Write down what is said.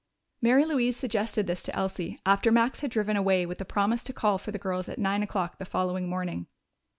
Mary Louise suggested this to Elsie after Max had driven away with a promise to call for the girls at nine o'clock the following morning.